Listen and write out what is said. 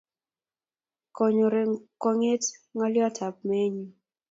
Konyor eng' kwong'et ng'alyot ap meennyu.